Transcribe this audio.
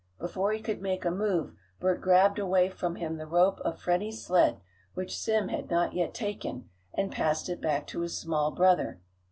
Before he could make a move Bert grabbed away from him the rope of Freddie's sled, which Sim had not yet taken, and passed it back to his small brother.